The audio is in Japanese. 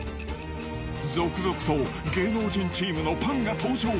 続々と芸能人チームのパンが登場。